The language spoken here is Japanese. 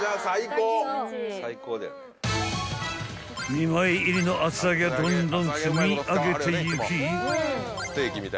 ［２枚入りの厚揚げはどんどん積み上げていき］